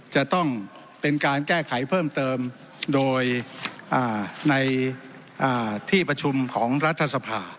จะต้องเป็นการแก้ไขเพิ่มเติมโดยในที่ประชุมของรัฐสภา